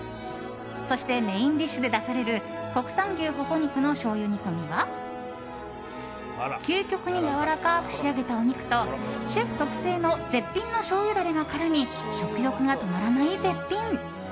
そしてメインディッシュで出される国産牛ほほ肉の醤油煮込みは究極にやわらかく仕上げたお肉とシェフ特製の絶品のしょうゆダレが絡み食欲が止まらない絶品。